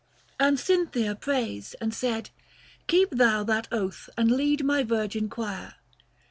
And Cynthia praised and said, " Keep thou that oath, And lead my Virgin choir."